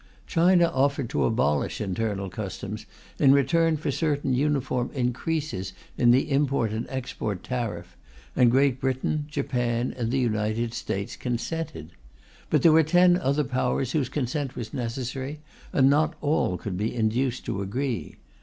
China offered to abolish internal customs in return for certain uniform increases in the import and export tariff, and Great Britain, Japan, and the United States consented. But there were ten other Powers whose consent was necessary, and not all could be induced to agree.